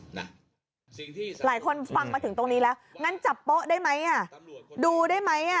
หลายคนฟังมาถึงตรงนี้แล้วงั้นจับโป๊ะได้ไหมดูได้ไหม